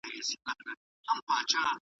کله به حکومت سرحد په رسمي ډول وڅیړي؟